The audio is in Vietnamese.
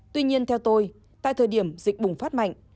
tuy nhiên theo tôi tại thời điểm dịch bùng phát mạnh